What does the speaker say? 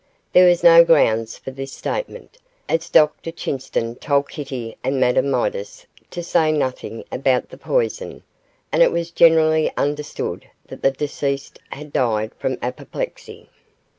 There was no grounds for this statement, as Dr Chinston told Kitty and Madame Midas to say nothing about the poison, and it was generally understood that the deceased had died from apoplexy.